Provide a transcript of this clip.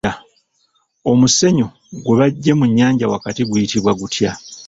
Omusenyu gwe baggye mu nnyanja wakati guyitibwa gutya?